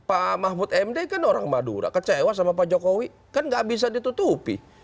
pak mahfud md kan orang madura kecewa sama pak jokowi kan gak bisa ditutupi